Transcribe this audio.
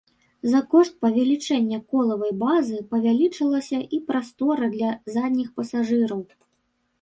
За кошт павелічэння колавай базы павялічылася і прастора для задніх пасажыраў.